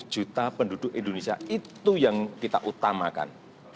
satu ratus enam puluh juta penduduk indonesia itu yang kita utamakan